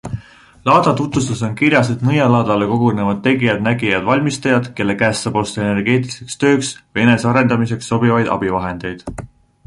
Laada tutvustuses on kirjas, et Nõialaadale kogunevad tegijad-nägijad-valmistajad, kelle käest saab osta energeetiliseks tööks või enese arendamiseks sobivaid abivahendeid.